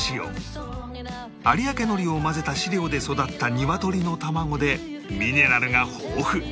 有明海苔を混ぜた飼料で育った鶏の卵でミネラルが豊富